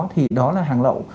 thì đó là hàng lậu